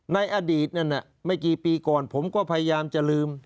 ในอดีตนั้นไม่กี่ปีก่อนผมก็พยายามจะลืม